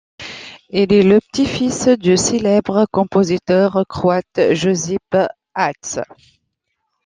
Il est le petit-fils du célèbre compositeur croate Josip Hatze.